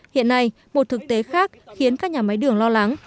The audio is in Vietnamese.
hiện nay một thực tế khác khiến các nhà máy đường lo lắng